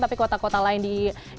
tapi kota kota lain di bandung juga